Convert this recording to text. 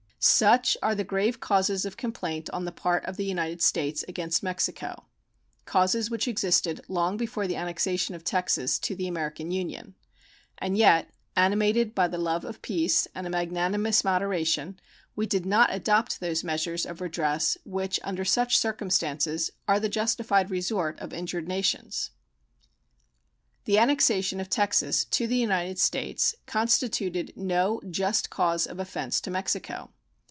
Such are the grave causes of complaint on the part of the United States against Mexico causes which existed long before the annexation of Texas to the American Union; and yet, animated by the love of peace and a magnanimous moderation, we did not adopt those measures of redress which under such circumstances are the justified resort of injured nations. The annexation of Texas to the United States constituted no just cause of offense to Mexico.